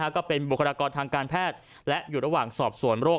ก็เป็นบุคลากรทางการแพทย์และอยู่ระหว่างสอบสวนโรค